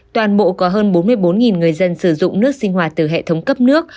toàn bộ có hơn bốn mươi bốn người dân sử dụng nước sinh hoạt từ hệ thống cấp nước